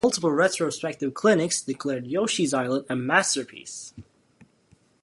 Multiple retrospective critics declared "Yoshi's Island" a "masterpiece".